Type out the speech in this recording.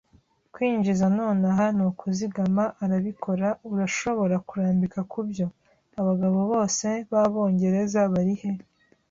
kwinjiza nonaha, ni ukuzigama arabikora, urashobora kurambika kubyo. Abagabo bose b'Abongereza bari he